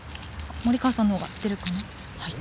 森川さんのほうが出るかな？